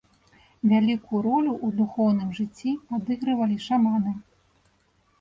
Вялікую ролю ў духоўным жыцці адыгрывалі шаманы.